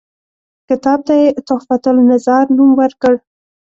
کتاب ته یې تحفته النظار نوم ورکړ.